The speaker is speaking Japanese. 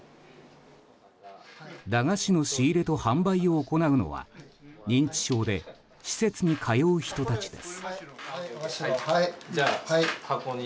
駄菓子の仕入れと販売を行うのは認知症で施設に通う人たちです。